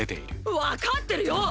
わかってるよ！！